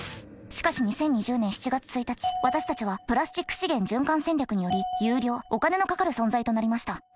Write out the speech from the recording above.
しかし２０２０年７月１日私たちはプラスチック資源循環戦略により有料お金のかかる存在となりました。